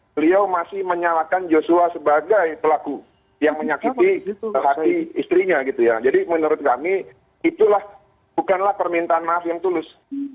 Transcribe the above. beliau masih menyalahkan yosua sebagai pelaku yang menyakiti hati istrinya jadi menurut kami itulah bukanlah permintaan maaf yang tulus